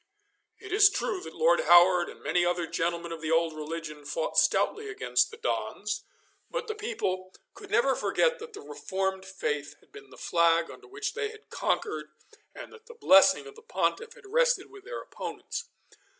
It is true that Lord Howard and many another gentleman of the old religion fought stoutly against the Dons, but the people could never forget that the reformed faith had been the flag under which they had conquered, and that the blessing of the Pontiff had rested with their opponents.